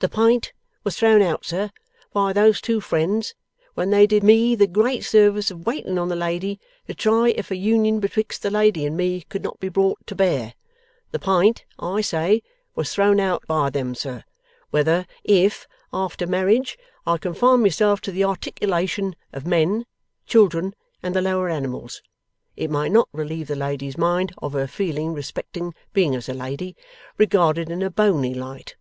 The pint was thrown out, sir, by those two friends when they did me the great service of waiting on the lady to try if a union betwixt the lady and me could not be brought to bear the pint, I say, was thrown out by them, sir, whether if, after marriage, I confined myself to the articulation of men, children, and the lower animals, it might not relieve the lady's mind of her feeling respecting being as a lady regarded in a bony light.